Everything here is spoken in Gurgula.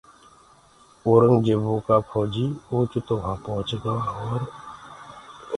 اورنٚگجيبو ڪآ ڦوجيٚ اوچتو وهآن پُهچ گوآ اور